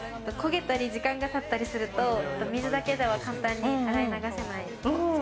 焦げたり時間がたったりすると水だけでは簡単に洗い流せない。